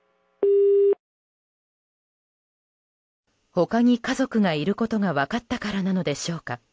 他に家族がいることが分かったからなのでしょうか。